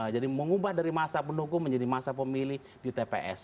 jadi mengubah dari masa pendukung menjadi masa pemilih di tps